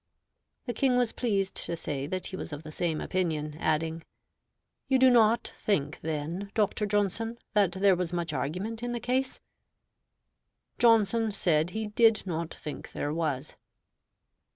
The King was pleased to say he was of the same opinion: adding, "You do not think then, Dr. Johnson, that there was much argument in the case?" Johnson said he did not think there was.